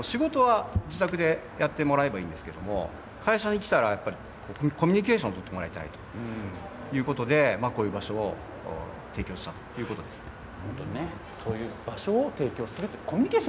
ですので、仕事は自宅でやってもらえばいいんですけれど、会社に来たら、やっぱりコミュニケーションを取ってもらいたいということで、こういう場所を提供したということですね。